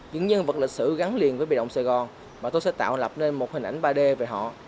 những nhân vật lịch sử gắn liền với biệt động sài gòn và tôi sẽ tạo lập nên một hình ảnh ba d về họ